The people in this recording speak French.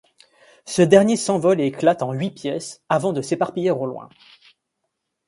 Ce dernier s'envole et éclate en huit pièces avant de s'éparpiller au loin.